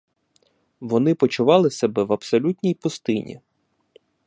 Вони почували себе в абсолютній пустині.